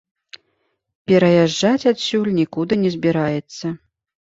Пераязджаць адсюль нікуды не збіраецца.